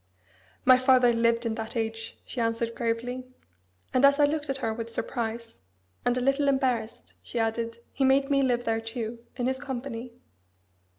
"My father lived in that age," she answered gravely. And as I looked at her with surprise, and a little embarrassed, she added, "He made me live there too, in his company."